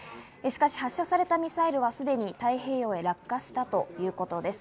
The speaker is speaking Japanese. しかし、発射されたミサイルはすでに太平洋へ落下したということです。